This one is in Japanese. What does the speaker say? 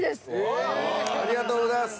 ありがとうございます。